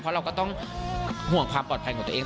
เพราะเราก็ต้องห่วงความปลอดภัยของตัวเอง